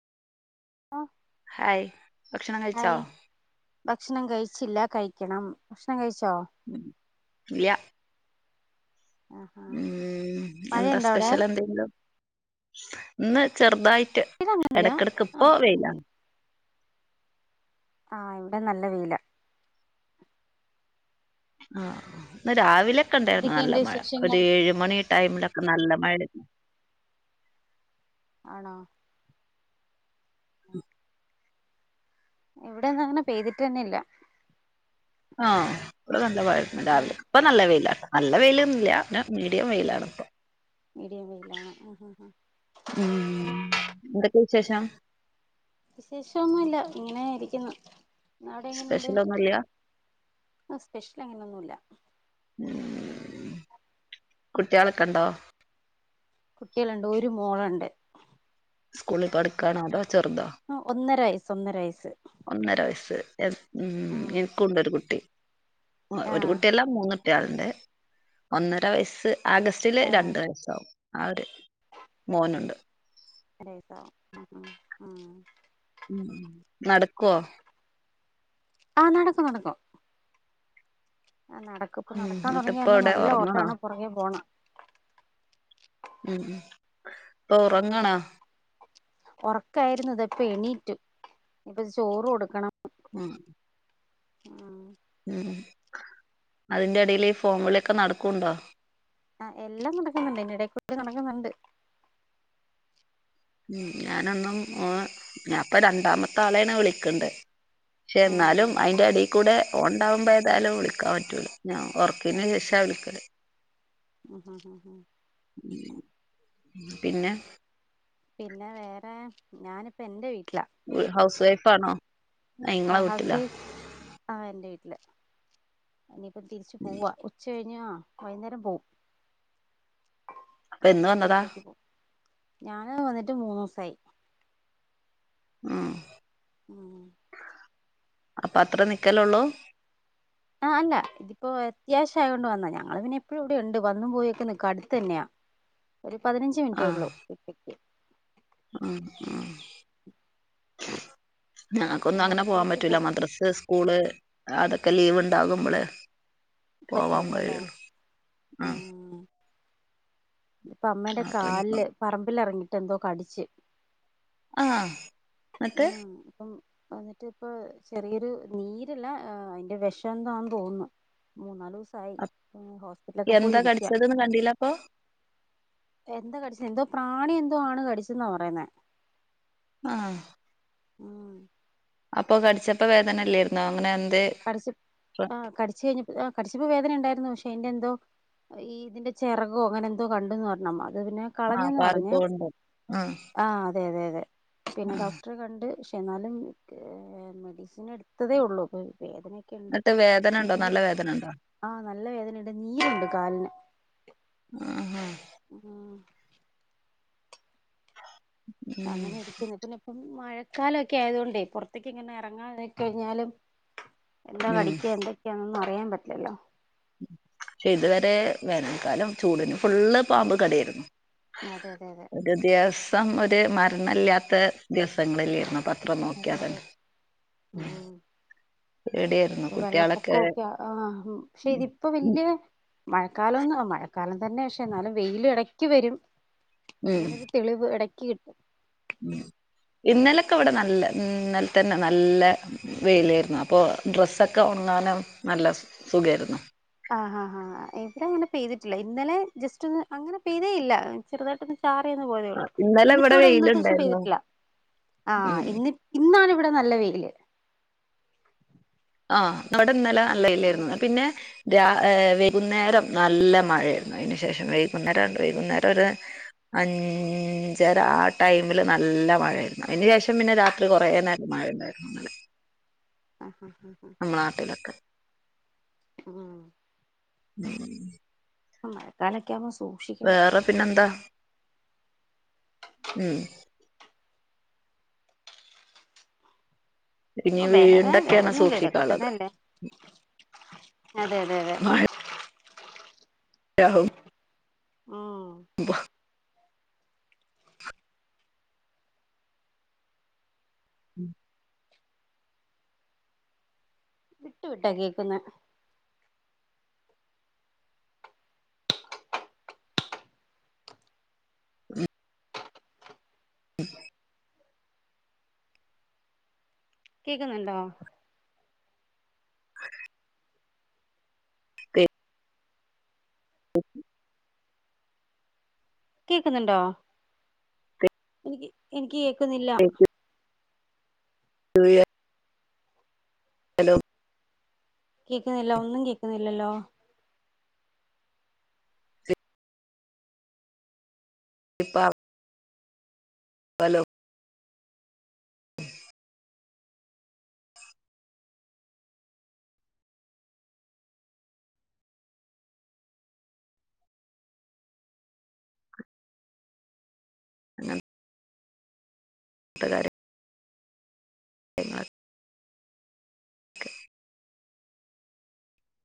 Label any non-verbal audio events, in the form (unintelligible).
ആ ഹായ് ഭക്ഷണം കഴിച്ചോ? ഹായ് ഭക്ഷണം കഴിച്ചില്ല കഴിക്കണം ഭക്ഷണം കഴി ല്ല. ആഹാ ഉം എന്താ മഴയുണ്ടോ അവിടെ സ്പെഷ്യൽ എന്തെിലും ഇന്ന് ചെറുതായി ഇതങ്ങനില്ല എടക്കിടക്ക് ആ ഇപ്പ വെയ്ല ആ ഇവിടെ നല്ല വെയിലാ ആ ഇപ്പ രാവിലെ ഒക്കെ ഉണ്ടായിരുന്നു നല്ല എന്തൊക്കെയുണ്ട് മഴ ഒരു വിശേഷങ്ങൾ ഏഴ് മണി ടൈമിലൊക്കെ നല്ല മഴ ആണോ ഇവിടെന്നും അങ്ങനെ പെയ്തിട്ടന്നെ ഇല്ല ആ ഇവിടെ നല്ല മഴയിണ്ട് ഉം രാവിലെ ഇപ്പൊ നല്ലവെയിലാ നല്ല വെയിലൊന്നും ഇല്ല പിന്നെ മീഡിയം വെയിലാണ് ഇപ്പൊ മീഡിയം വെയിലാണ് ആ ആ ഉം എന്തൊക്കെ വിശേഷം വിശേഷം ഒന്നും ഇല്ല ഇങ്ങനെ ഇരിക്കുന്നു അവിടെ എങ്ങനെയുണ്ട് സ്പെഷ്യലൊന്നുമില്ല ആ സ്പെഷ്യല് അങ്ങനെ ഒന്നും ഇല്ല കുട്ടികളൊക്കെണ്ടോ കുട്ടികളുണ്ട് ഒരു മോളുണ്ട് സ്കൂളിൽ പഠിക്കാണോ അതോ ചെറുതോ ഒന്നര വയസ്സ് ഒന്നര വയസ്സ് ഒന്നര വയസ്സ് ഉം എനിക്കും ഉണ്ട് ഒരു കുട്ടി ഒരു ആഹ് കുട്ടിയല്ലാ മൂന്ന് കുട്ടികളുണ്ട് ഒന്നര വയസ്സ് ആഗസ്റ്റില് ആഹ് രണ്ട് വയസാവും ആ ഒര് മോനുണ്ട് ഒരു വയസ്സാവും നടക്കുവോ ആ നടക്കും നടക്കും നടക്കും ഇപ്പൊ ഉം നടക്കാൻ എന്നിട്ട് തുടങ്ങിയ ഇപ്പ കാരണം എവിടെ നല്ല ഉറങ്ങണോ ഓട്ടാണ് ആ പുറകേ പോകണം ഉം ഉം ഇപ്പൊ ഉറങ്ങാണോ ഉറക്കായിരുന്നു ഇതാപ്പം എണീറ്റു ഇപ്പൊ ചോറ് കൊടുക്കണം ഉം ആ ഉം അതിന്റെ ഇടേല് ഈ ഫോൺ വിളിയൊക്കെ നടക്കുംണ്ടോ ആ എല്ലാം നടക്കുന്നുണ്ട് അതി നിടേക്കൂടേ നടക്കുന്നുണ്ട് ഉം ഞാനൊന്നും ഞാൻ പ്പൊ രണ്ടാമത്തെ ആളെയാണ് വിളിക്കണ്ട് പക്ഷെ എന്നാലും അതിന്റെ അടി കൂടെ ഓണ്ടാകുമ്പോ എതായാലും വിളിക്കാൻ പറ്റുല്ലോ ഞാൻ ഉറക്കിയേന് ശേഷവാ വിളിക്കല് ഉം ഉം പിന്നെ പിന്നെ വേറെ ഞാനിപ്പം എൻ്റെ വീട്ട ഹൗസ് വൈഫ് ആണോ ആ നിങ്ങളെ ഹൗസ് വീട്ടിലോ വൈഫ് ആ എന്റെ വീട്ടില് ഇനിയിപ്പം തിരിച്ചു പോവാ ഉച്ച കഴിഞ്ഞാ വൈകുന്നേരം പോവും അപ്പൊ എന്ന് ഹസ്ബൻഡ് വന്നതാ വീട്ടിലേക്ക് പോം ഞാന് വന്നിട്ട് മൂന്നു ദിവസായി ആ ഉം അപ്പൊ അത്ര നിക്കലള്ളൂ ആ അല്ല ഇതിപ്പോ അത്യാവശ്യയോണ്ട് വന്നാ ഞങ്ങൾ പിന്നെ എപ്പോഴും ഇവിടെ ഉണ്ട് വന്നും പോയിക്കെ നിക്ക് അടുത്ത് തന്നെയാ ഒരു പതിനഞ്ച് മിനിറ്റേ ആഹ് ഉള്ളൂ ഇപ്പക്ക് ഉം ഉം ഞങ്ങൾക്കൊന്നും അതുകൊണ്ട് അങ്ങനെ പോകാൻ ഇടയ്ക്കിടയ്ക്ക് പോ പറ്റൂല മദ്രസ്സാ സ്കൂള് അതൊക്കെ ലീവ് ഇണ്ടാകുമ്പള് പോവാ പറ്റുള്ളൂ അല്ലേ (unintelligible) ആ ഇപ്പ അമ്മേന്റെ അപ്പൊ ഇനിപ്പോ കാലില് പറമ്പിൽ ഇറങ്ങിട്ട് എന്തോ കടിച്ച്. ആഹ. ആഹ അപ്പം. അന്നിട്ട് ഇപ്പൊ ചെറിയൊരു നീരല്ല ആ അതിന്റെ വിഷം എന്താെന്ന് തോന്നുന്നു. മുന്നാല് അ് എന്താ കടിച്ചതന്ന് കണ്ടീല്ല അപ്പൊ? എന്താ കടിച്ച എന്തോ പ്രാണി എന്തോ ആണ് കടിച്ചെന്നാ പറയുന്നേ. ആഹ. ഉം അപ്പൊ കടിച്ചപ്പോ വേദന ഇല്ലായിരുന്നോ അങ്ങനെ എന്ത കടിച് ആ കടിച്ച് കഴിഞ്ഞ കടിച്ചപ്പോ വേദന ഉണ്ടായിരുന്നു. പക്ഷെ അതിന്റെ എന്തോ ഈ ഇതിന്റെ ചിറകോ അങ്ങനെ എന്തോ കണ്ടുന്ന് പറഞ്ഞമ്മ. അത് പിന്നെ ആഹ് കളഞ്ഞന്ന് പാറി പറഞ്ഞ്. പോവ്ണ്ടോ ആഹ് ആ അതെ അതെ അതെ. പിന്നെ ആഹ് ഡോക്ടറെ കണ്ട് പക്ഷെ എന്നാലും കെ മെഡിസിൻ എടുത്തതേ ഉള്ളൂ നട്ട് വേദന ഉണ്ടോ നല്ല വേദന ഉണ്ടോ? ആഹ നല്ല വേദനുണ്ട്. നീരുണ്ട് കാലിന് ആഹ് ഉ ഉം അങ്ങനെ ഇരിക്കുന്നു. പിന്നെ ഇപ്പം മഴ, കാലമൊക്കെ ആയത് കൊണ്ട് പുറത്ത്ക്ക്. ഇങ്ങനെ ഇറങ്ങാ കഴിഞ്ഞാലും. എന്താ ഉം കഠിക്ക എന്തൊക്കെയാൊന്നും അറിയാൻ പറ്റില്ലല്ലോ? പക്ഷെ ഇതുവരെ വേനൽക്കാലം ചൂടിന് ഫുള്ള് പാമ്പ് കടി ആയിരുന്നു. അതെ അതെ അതെ ഒരു ദിവസം ഒരു മരണല്ലാത്ത ദിവസങ്ങളില്ലേരുന്നു. പ അത്ര നോക്കിയാ തന്നെ. ഉ പേടിയായിരുന്നു കുട്ടികളൊക്കെ വെള്ളപ്പൊക്കൊക്കെ ആഹ പക്ഷെ ഇതിപ്പൊ ഉം വല്യ മഴക്കാലൊന്ന് മഴക്കാലം തന്നെ. പക്ഷെ എന്നാലും വെയില് ഇടക്ക് വരും. ഉം അങ്ങനെരു തെളിവ് ഇടക്ക് കിട്ടും. ഉം ഇന്നലൊക്കെ ഇവിടെ നല്ല മ് ഇന്നലെ തന്നെ നല്ല വെയിലായിരുന്നു. അപ്പൊ ഡ്രസ്സൊക്കെ ഒണ ഒങ്ങാനും നല്ല സുഖയിരുന്നു ആാ ഹാ എവിടെ അങ്ങനെ പെയ്തിട്ടില്ല. ഇന്നലെ ജസ്റ്റ് ഒന്ന് അങ്ങനെ പെയതേ ഇല്ല ചെറുതായിടട്ടൊന്ന് ചാ പെയ്തു പോയതേയുള്ളൂ. ഇന്നലെ ഇന്നിപ്പോ ഇവിടെ ഇന്ന ദിവസം വെയിലുണ്ടായിരുന്നു പെയ്തിട്ടില്ല. ആ ഉം ഇന്നിപ് ഇന്നാണ് ഇവിടെ നല്ല വെയില്. ആഹ അവിടെ ഇന്നല നല്ല വെയിലായിരുന്നു. ഉം പിന്നെ രാ ഹെ വൈകുന്നേരം നല്ല മഴയായിരുന്നു. അതിനു ശേഷം വൈകുന്നേരം, വൈകുന്നേരം ഒരു അഞ്ചര ആ ടൈമില് നല്ല മഴായിരുന്നു. അതിനന് ശേഷം പിന്നെ രാത്രി കുറേ നേരം. മഴ ഉണ്ടായിരുന്ന ഇന്നലെ. ആഹ ഹഹ നമ്മള നാട്ടിലൊക്കെ. ആഹ (inaudible) ആ (unintelligible) വേറെ പിന്നെ എന്താ ഉം ഇനി ഓഹ് വേറെ വീണ്ടൊക്കെയാണ് വേറൊന്നുല്ല ഇതൊക്കെ സൂക്ഷിക്കാനുള്ളത്. തന്നെയല്ലേ അതെ അതെ അതെ. യാഹു ഉം വാ (inaudible) വിട്ടു വിട്ടാ കേക്കുന്നോ ഉ (inaudible) കേക്കുന്നുണ്ടോ? ആ കോ (unintelligible) കേക്കുന്നുണ്ടോ എനിക്ക് എനിക്ക് കേക്കുന്നില്ല (unintelligible) ഹലോ കേക്കുന്നില്ല ഒന്നും കേക്കുന്നില്ലല്ലോ ഇപ്പാ ഹലോ (unintelligible) എന്താ കാര്യം എങ്ങോട്